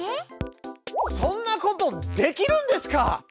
そんなことできるんですか？